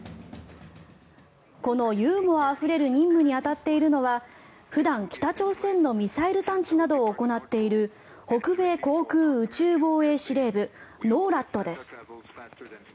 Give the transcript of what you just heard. このユーモアあふれる任務に当たっているのは普段北朝鮮のミサイル探知などを行っている北米航空宇宙防衛司令部・ＮＯＲＡＤです。